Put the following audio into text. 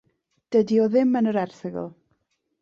Dydy o ddim yn yr erthygl.